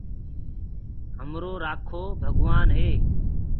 همرو رآکو ڀگوآن هي۔